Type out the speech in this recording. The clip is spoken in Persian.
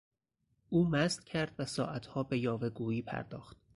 او مست کرد و ساعتها به یاوه گویی پرداخت.